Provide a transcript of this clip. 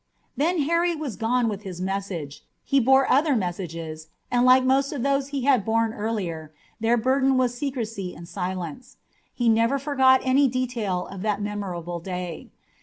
Then Harry was gone with his message. And he bore other messages, and like most of those he had borne earlier, their burden was secrecy and silence. He never forgot any detail of that memorable day.